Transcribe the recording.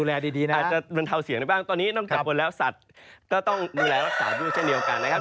ดีนะอาจจะบรรเทาเสียงได้บ้างตอนนี้นอกจากบนแล้วสัตว์ก็ต้องดูแลรักษาด้วยเช่นเดียวกันนะครับ